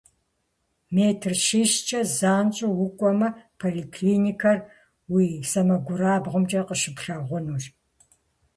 Метр щищкӏэ занщӏэу укӏуэмэ, поликлиникэр уи сэмэгурабгъумкӏэ къыщыплъагъунущ.